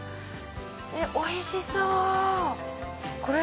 おいしそう。